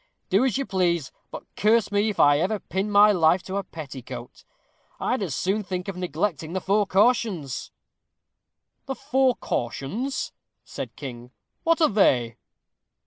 Do as you please, but curse me if ever I pin my life to a petticoat. I'd as soon think of neglecting the four cautions." "The four cautions," said King; "what are they?"